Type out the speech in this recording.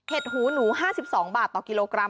หูหนู๕๒บาทต่อกิโลกรัม